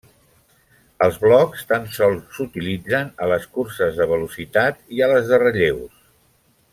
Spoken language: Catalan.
Els blocs tan sols s'utilitzen a les curses de velocitat i a les de relleus.